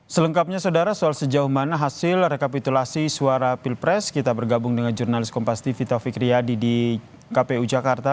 selengkapnya saudara soal sejauh mana hasil rekapitulasi suara pilpres kita bergabung dengan jurnalis kompas tv taufik riyadi di kpu jakarta